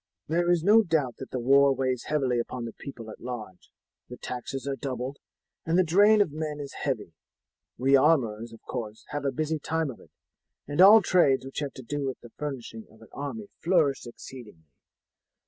"There is no doubt that the war weighs heavily upon the people at large. The taxes are doubled, and the drain of men is heavy. We armourers, of course, have a busy time of it, and all trades which have to do with the furnishing of an army flourish exceedingly.